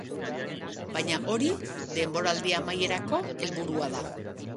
Baina hori denboraldi amaierako helburua da.